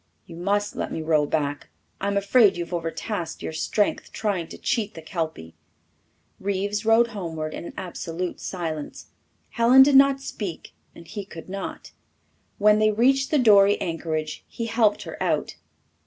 You must let me row back. I am afraid you have overtasked your strength trying to cheat the kelpy." Reeves rowed homeward in an absolute silence. Helen did not speak and he could not. When they reached the dory anchorage he helped her out.